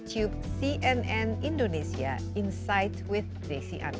terima kasih sekali